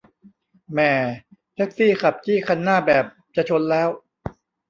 แหม่ แท็กซี่ขับจี้คันหน้าแบบจะชนแล้ว